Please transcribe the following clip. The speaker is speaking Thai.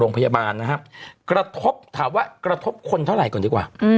โรงพยาบาลนะครับกระทบถามว่ากระทบคนเท่าไหร่ก่อนดีกว่า